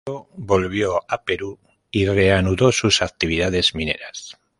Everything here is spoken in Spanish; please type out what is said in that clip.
Luego volvió a Perú y reanudó sus actividades mineras.